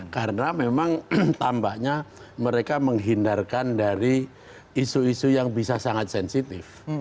karena memang tambahnya mereka menghindarkan dari isu isu yang bisa sangat sensitif